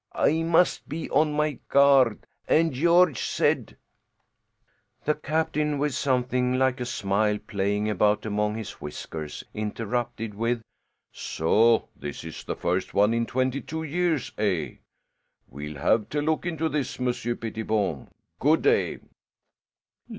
I must be on my guard.' And Georges said " The captain, with something like a smile playing about among his whiskers, interrupted with, "So this is the first one in twenty two years, eh? We'll have to look into this, Monsieur Pettipon. Good day."